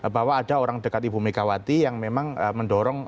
bahwa ada orang dekat ibu megawati yang memang mendorong